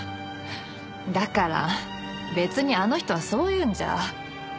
だから別にあの人はそういうんじゃ。